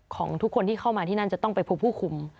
ของทุกคนที่เข้ามาที่นั่นจะต้องไปพบผู้คุม